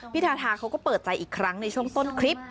ทาทาเขาก็เปิดใจอีกครั้งในช่วงต้นคลิป